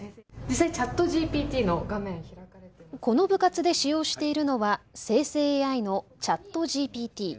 この部活で使用しているのは生成ＡＩのＣｈａｔＧＰＴ。